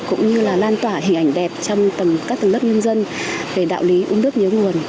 cũng như là lan tỏa hình ảnh đẹp trong các tầng lớp nhân dân về đạo lý ung đức nhớ nguồn